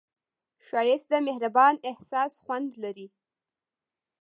ښایست د مهربان احساس خوند لري